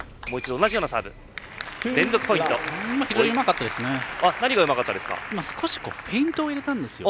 非常にうまかったですね。